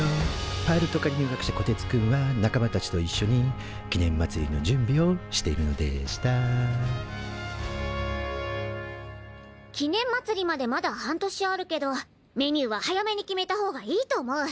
パイロット科に入学したこてつくんは仲間たちといっしょに記念まつりの準備をしているのでした記念まつりまでまだ半年あるけどメニューは早めに決めたほうがいいと思う。